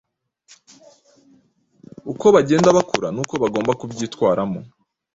uko bagenda bakura n’uko bagomba kubyitwaramo.